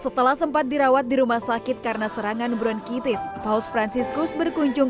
setelah sempat dirawat di rumah sakit karena serangan bronkitis paus franciscus berkunjung